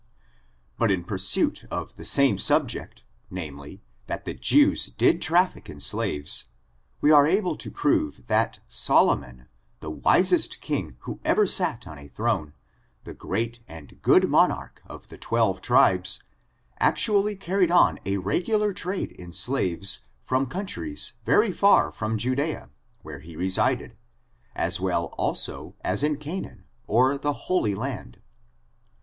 But in pursuit of the same subject namely, that the Jews did traffic in slaves, we are able to prove that Solomon, the wisest king who ever sat on a throne, the great and good monarch of the twelve tribes, actually carried on a regular trade in slaves from countries very far from Judea, where he resided, as well also as in Canaan, or the Holy Land.